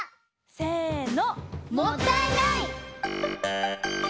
せの。